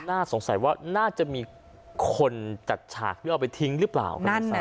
น่าสงสัยว่าน่าจะมีคนจัดฉากที่เอาไปทิ้งหรือเปล่า